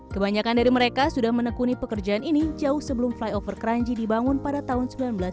kebanyakan dari mereka sudah menekuni pekerjaan ini jauh sebelum flyover keranji dibangun pada tahun seribu sembilan ratus sembilan puluh